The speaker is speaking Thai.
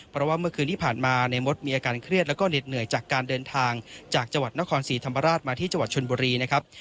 เพราะว่าเมื่อคืนที่ผ่านมาในมดมีอาการเครียดแล้วก็เหน็ดเหนื่อยจากการเดินทางจากจังหวัดนครศรีธรรมราชมาที่จังหวัดชนบุรีนะครับ